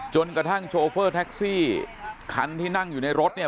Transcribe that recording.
จนกระทั่งโชเฟอร์แท็กซี่คันที่นั่งอยู่ในรถเนี่ย